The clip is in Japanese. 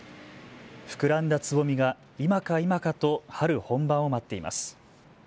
膨らんだつぼみが今か今かと春本番を待っています。